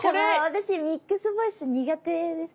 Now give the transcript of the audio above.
私ミックスボイス苦手です。